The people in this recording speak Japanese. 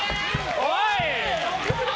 おい！